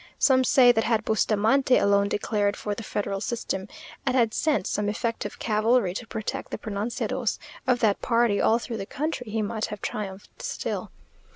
Some say that had Bustamante alone declared for the federal system, and had sent some effective cavalry to protect the pronunciados of that party all through the country, he might have triumphed still.